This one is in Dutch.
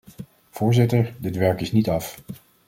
Voorzitter, dit werk is niet af.